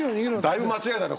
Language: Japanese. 「だいぶ間違えたね